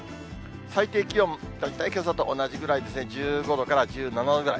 最低気温、大体けさと同じぐらいですね、１５度から１７度ぐらい。